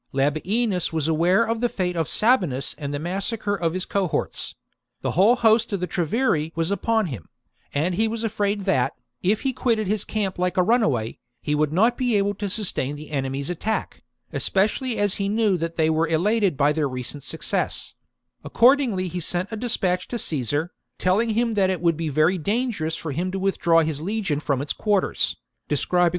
Labienus was aware of the fate of Sabinus and the massacre of his cohorts ; the whole host of the Treveri was upon him ; and he was afraid that, if he quitted his camp like a runaway, he would not be able to sustain the enemy's attack, especially as he knew that they were elated by their recent success ; accordingly he sent a dispatch to Caesar, telling him that it would be very dangerous for him to V QUINTUS CICERO AT BAY i6i withdraw his legion from its quarters, describing 54 b.